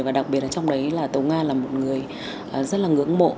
và đặc biệt trong đấy là tổng an là một người rất ngưỡng mộ